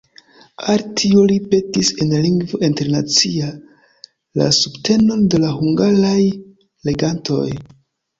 Al tio li petis en Lingvo Internacia la subtenon de la hungaraj legantoj.